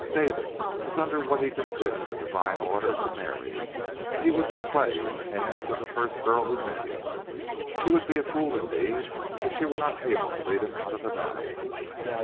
David was under what he considered a divine order to marry, and he would be clay in the hands of the first girl who met him. She would be a fool indeed if she were not able to lead him out of the valley.